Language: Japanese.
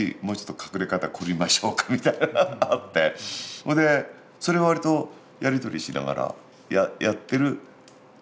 それでそれをわりとやり取りしながらやってる作り方。